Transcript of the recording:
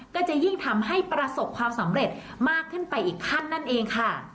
ก็จะยิ่งทำให้ประสบความสำเร็จมากขึ้นไปอีกขั้นนั่นเองค่ะ